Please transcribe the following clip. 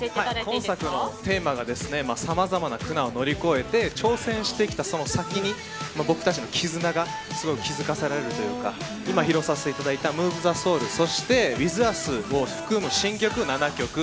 今作のテーマがさまざまな苦難を乗り越えて挑戦してきたその先に僕たちの絆が気づかされるというか今、披露させていただいた「ＭｏｖｅＴｈｅＳｏｕｌ」それを含む新曲「Ｗｉｔｈｕｓ」７曲